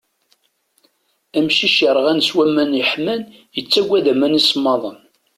Amcic yerɣan s waman yeḥman yettaggad aman isemmaden.